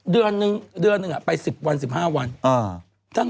เดือนนึงไป๑๐วัน๑๕วัน